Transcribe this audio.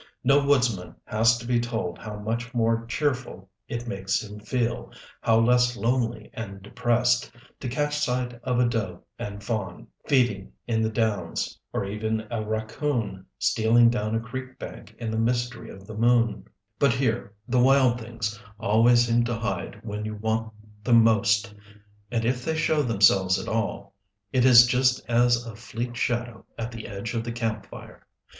No woodsman has to be told how much more cheerful it makes him feel, how less lonely and depressed, to catch sight of a doe and fawn, feeding in the downs, or even a raccoon stealing down a creek bank in the mystery of the moon; but here the wild things always seem to hide when you want them most; and if they show themselves at all, it is just as a fleet shadow at the edge of the camp fire.